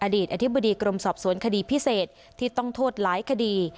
อดีตอธิบดีกรมสอบสวนคดีพิเศษที่ต้องโทษหลายคดี